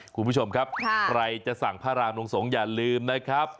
คุณผู้ชมครับใครจะสั่งพระรามลงสงฆ์อย่าลืมนะครับ